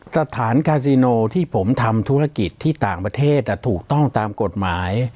สถานกาซิโนที่ผมทำธุรกิจที่ต่างประเทศถูกต้องตามกฎหมาย